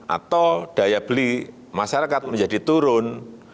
atau daya beli masyarakat menjadi turun